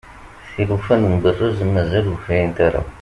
tilufa n umberrez mazal ur frint ara